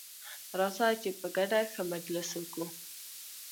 راسه چي په ګډه ښه مجلس وکو.